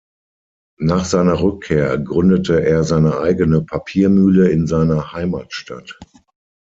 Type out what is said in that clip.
Nach seiner Rückkehr gründete er seine eigene Papiermühle in seiner Heimatstadt.